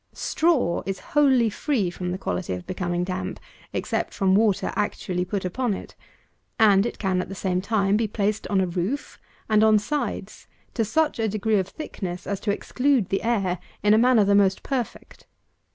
Straw is wholly free from the quality of becoming damp, except from water actually put upon it; and it can, at the same time, be placed on a roof, and on sides, to such a degree of thickness as to exclude the air in a manner the most perfect.